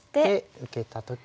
受けた時に。